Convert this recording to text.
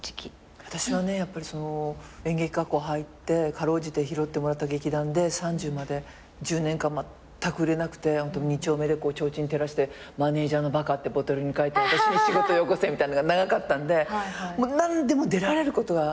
あたしはねやっぱりそのう演劇学校入って辛うじて拾ってもらった劇団で３０まで１０年間まったく売れなくて二丁目で提灯照らしてマネジャーのバカってボトルに書いて私に仕事よこせみたいなのが長かったんで何でも出られることが。